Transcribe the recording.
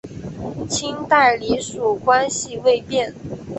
清代隶属关系未变。